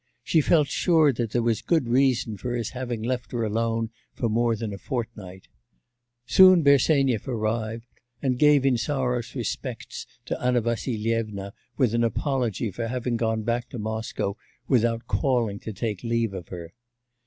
She felt sure that there was good reason for his having left her alone for more than a fortnight. Soon Bersenyev arrived, and gave Insarov's respects to Anna Vassilyevna with an apology for having gone back to Moscow without calling to take leave of her.